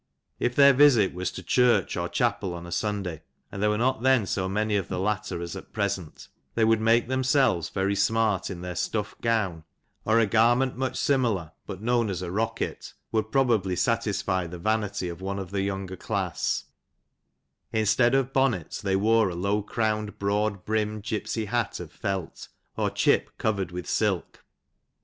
If their visit was to church or chapel on a Sunday, (and there were not then so many of the latter as at present), they would make themselves very smart in their stufiT gown, or a garment much similar, but known as '' a rocket,*' would probably satisfy the vanity of one of the younger class ; instead of bonnets they wore a low crowned, broad brimmed gypsy hat of felt, or chip covered with silk.